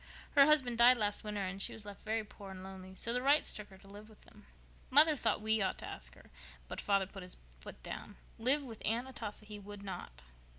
Her husband died last winter and she was left very poor and lonely, so the Wrights took her to live with them. Mother thought we ought to take her, but father put his foot down. Live with Aunt Atossa he would not."